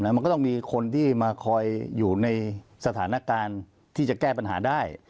มันก็ต้องมีคนที่มาคอยอยู่ในสถานการณ์ที่จะแก้ปัญหาได้